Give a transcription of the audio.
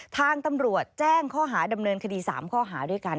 ทางตำรวจแจ้งข้อหาดำเนินคดี๓ข้อหาด้วยกัน